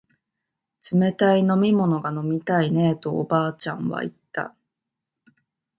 冷たい飲み物が飲みたいねえとおばあちゃんは言った